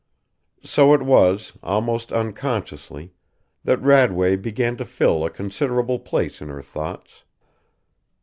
So it was, almost unconsciously, that Radway began to fill a considerable place in her thoughts.